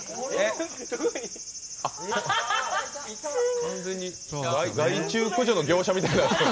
完全に害虫駆除の業者みたいな。